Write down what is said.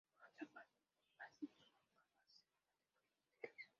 Por otra parte, divas son capaces de ganar títulos mundiales.